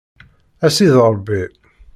A sidi Ṛebbi.